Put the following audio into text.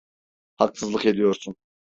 Haksızlık ediyorsun.